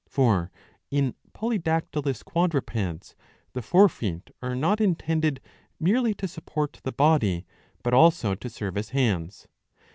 ^ For in polydactylous quadrupeds the fore feet are not intended merely to support the body, but also to serve as hands.